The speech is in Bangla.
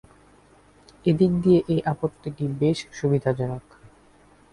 এ দিক দিয়ে এ পদ্ধতিটি বেশ সুবিধাজনক।